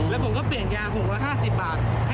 แล้วผมก็เปลี่ยนยา๖๕๐บาท